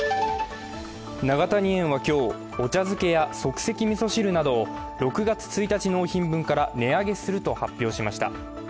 永谷園は今日、お茶づけや即席みそ汁などを６月１日納品分から値上げすると発表しました。